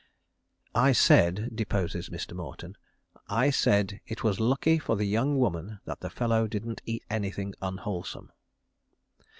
"I said," deposes Mr. Morton, "I said _it was lucky for the young woman that the fellow didn't eat anything unwholesome.